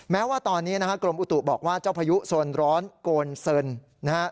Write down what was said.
แม้ว่าตอนนี้นะฮะกรมอุตุบอกว่าเจ้าพายุโซนร้อนโกนเซินนะฮะ